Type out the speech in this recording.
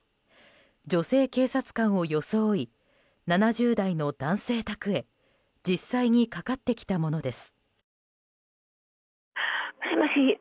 女性警察官を装い７０代の男性宅へ実際にかかってきたものです。